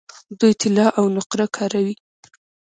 دوی طلا او نقره کاروي.